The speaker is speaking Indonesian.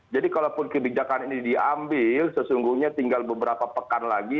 jadi kalaupun kebijakan ini diambil sesungguhnya tinggal beberapa pekan lagi